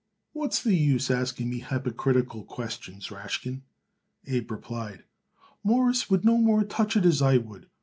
"What's the use asking me hypocritical questions, Rashkin?" Abe replied. "Mawruss would no more touch it as I would.